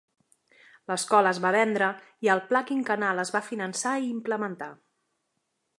L'escola es va vendre i el pla quinquennal es va finançar i implementar.